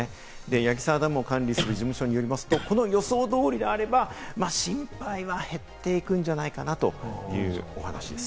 矢木沢ダムを管理する事務所によりますと、この予想通りであれば心配は減っていくんじゃないかなというお話です。